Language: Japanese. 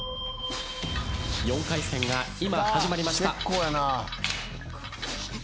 ４回戦が今始まりました。